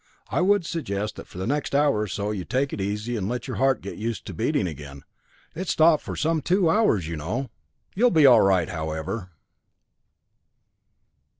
I would suggest that for the next hour or so you take it easy to let your heart get used to beating again. It stopped for some two hours, you know. You'll be all right, however."